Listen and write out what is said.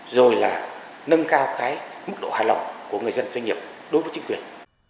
rồi là nâng cao cái mức độ hài lòng của người dân doanh nghiệp đối với chính quyền